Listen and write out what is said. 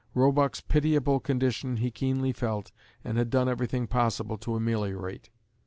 Roebuck's pitiable condition he keenly felt, and had done everything possible to ameliorate.